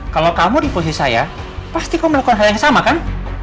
kalau kamu diposi saya pasti kamu lakukan hal yang sama kan